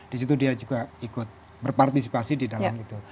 di situ dia juga ikut berpartisipasi di dalam itu